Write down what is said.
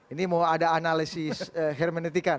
ini mau ada analisis hermenetika